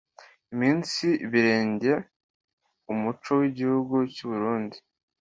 umunsi birenge umuco w’igihugu cy’u Burunndi,